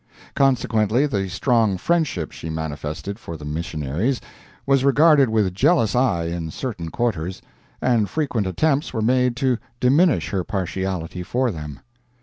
Consequently the strong friendship she manifested for the missionaries was regarded with jealous eye in certain quarters, and frequent attempts were made to diminish her partiality for them.